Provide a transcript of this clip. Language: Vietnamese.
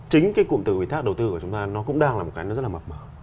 chính cái cụm từ ủy thác đầu tư của chúng ta nó cũng đang là một cái nó rất là mập mở